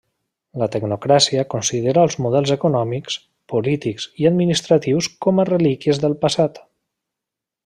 La tecnocràcia considera els models econòmics, polítics i administratius com a relíquies del passat.